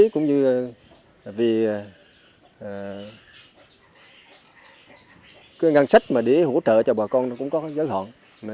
cũng như vì ngăn sách để hỗ trợ cho bà con cũng có giới hạn